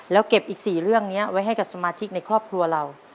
แล้วเก็บอีก๔เรื่องนี้ไว้ให้กับสมาชิกในครอบครัวเรา